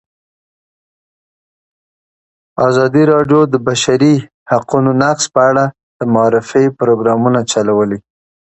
ازادي راډیو د د بشري حقونو نقض په اړه د معارفې پروګرامونه چلولي.